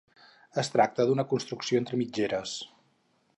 Es tracta d'una construcció entre mitgeres.